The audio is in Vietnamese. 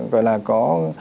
gọi là có